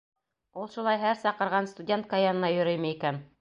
Ул шулай һәр саҡырған студентка янына йөрөймө икән?